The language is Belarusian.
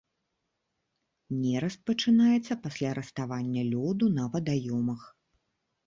Нераст пачынаецца пасля раставання лёду на вадаёмах.